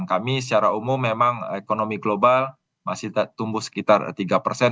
kami secara umum memang ekonomi global masih tumbuh sekitar tiga persen